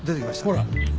ほら。